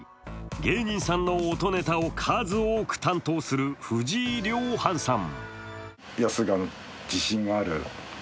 芸人さんの音ネタを数多く担当する藤井りょうはんさん。